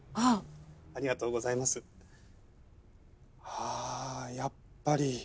ああやっぱり。